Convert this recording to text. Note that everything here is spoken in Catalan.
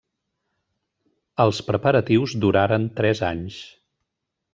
Els preparatius duraren tres anys.